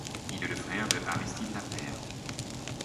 Il est le frère de Aristide Lapeyre.